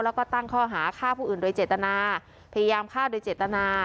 แล้วก็ตั้งข้อหาฆ่าผู้อื่นโดยเจตนาพยายามฆ่าโดยเจตนา